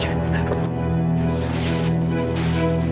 yang sepupu banget